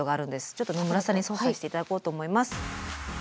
ちょっと野村さんに操作して頂こうと思います。